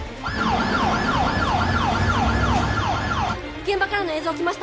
現場からの映像きました